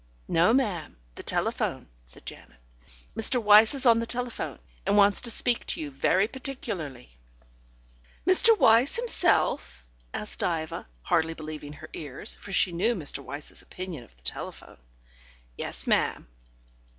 "No, ma'am, the telephone," said Janet. "Mr. Wyse is on the telephone, and wants to speak to you very particularly." "Mr. Wyse himself?" asked Diva, hardly believing her ears, for she knew Mr. Wyse's opinion of the telephone. "Yes, ma'am."